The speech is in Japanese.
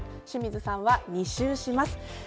清水さんは２周します。